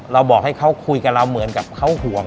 บอกให้เขาคุยกับเราเหมือนกับเขาห่วง